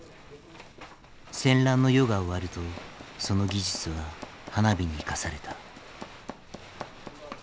戦乱の世が終わるとその技術は花火に生かされた。